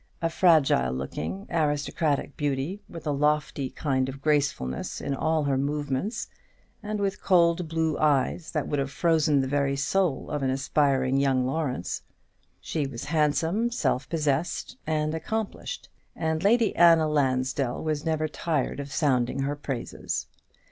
A fragile looking, aristocratic beauty, with a lofty kind of gracefulness in all her movements, and with cold blue eyes that would have frozen the very soul of an aspiring young Lawrence. She was handsome, self possessed, and accomplished; and Lady Anna Lansdell was never tired of sounding her praises.